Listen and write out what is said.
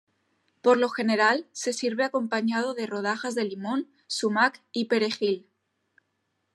Por lo general, se sirve acompañado de rodajas de limón, sumac y perejil.